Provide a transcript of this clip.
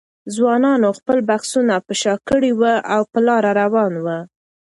ځوانانو خپل بکسونه پر شا کړي وو او په لاره روان وو.